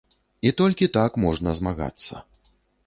І толькі так можна змагацца.